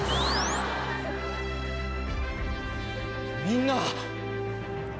みんな！